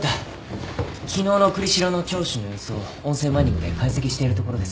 昨日の栗城の聴取の様子を音声マイニングで解析しているところです。